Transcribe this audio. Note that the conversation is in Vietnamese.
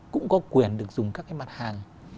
cũng có quyền được dùng các cái mặt hàng